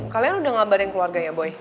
kalian udah ngabarin keluarga ya boy